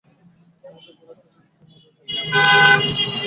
আমাদের বুড়ো খাজাঞ্চিকে মারার কথা মনে করতে ওর এক মুহূর্তও দেরি হল না।